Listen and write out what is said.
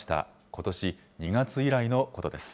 ことし２月以来のことです。